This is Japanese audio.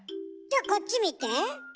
じゃこっち見て。